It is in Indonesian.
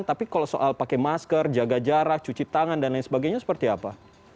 tapi kalau soal pakai masker jaga jarak cuci tangan dan lain sebagainya seperti apa